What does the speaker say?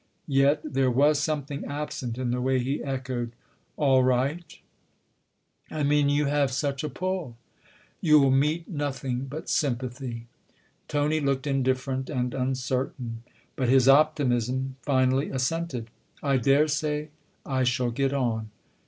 Yet there was something absent in the way he echoed " All right ?"" I mean you have such a pull. You'll meet nothing but sympathy. Tony looked indifferent and uncertain ; but his optimism finally assented. " I daresay I shall get on.